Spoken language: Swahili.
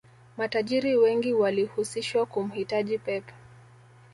matajiri wengi walihusishwa kumhitaji pep